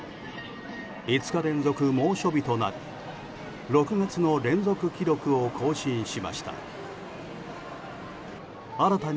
５日連続猛暑日となり６月の連続記録を更新しました。